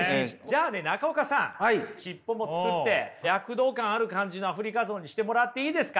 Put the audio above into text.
しっぽも作って躍動感ある感じのアフリカゾウにしてもらっていいですか？